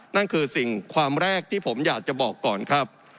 นั่นคือสิ่งความแรกที่ผมอยากจะบอกก่อนครับ